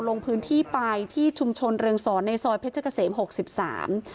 ลงพื้นที่ปลายที่ชุมชนเรืองศรในซอยเพชรเกษม๖๓